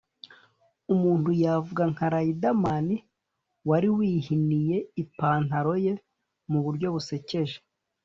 umuntu yavuga nka Riderman wari wihiniye ipantalo ye mu buryo busekeje